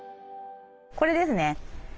これですね。